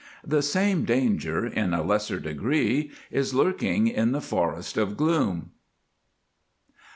The same danger, in a lesser degree, is lurking in the Forest of Gloom.